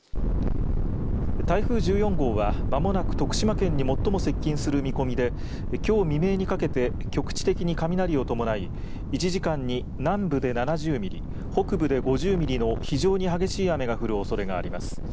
台風１４号は間もなく徳島県に最も接近する見込みできょう未明にかけて局地的に雷を伴い１時間に南部で７０ミリ北部で５０ミリの非常に激しい雨が降るおそれがあります。